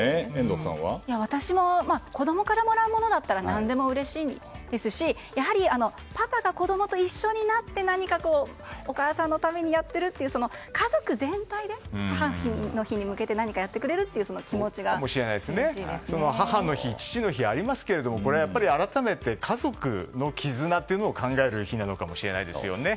私も子供からもらうものだったら何でもうれしいですしやはり、パパが子供と一緒になって何かお母さんのためにやってるっていう家族全体で母の日に向けて何かやってくれるという気持ちが母の日、父の日ありますけどこれは改めて家族の絆を考える日かもしれませんね。